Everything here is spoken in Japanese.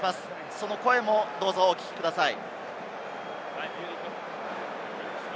その声もどうぞお聞きください。